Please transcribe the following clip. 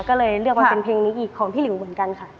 ก็เลยเลือกมาเป็นเพลงนี้อีกของพี่หลิวเหมือนกันค่ะ